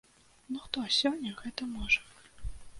Ну хто сёння гэта можа?